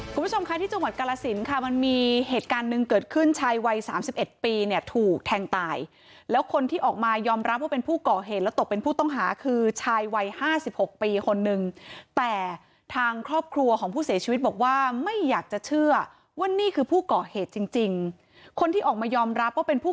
คุณผู้ชมคะที่จังหวัดกาลสินค่ะมันมีเหตุการณ์หนึ่งเกิดขึ้นชายวัยสามสิบเอ็ดปีเนี่ยถูกแทงตายแล้วคนที่ออกมายอมรับว่าเป็นผู้ก่อเหตุแล้วตกเป็นผู้ต้องหาคือชายวัยห้าสิบหกปีคนนึงแต่ทางครอบครัวของผู้เสียชีวิตบอกว่าไม่อยากจะเชื่อว่านี่คือผู้ก่อเหตุจริงจริงคนที่ออกมายอมรับว่าเป็นผู้